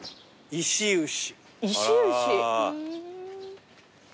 石牛。